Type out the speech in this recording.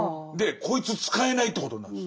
こいつ使えないということになるんです。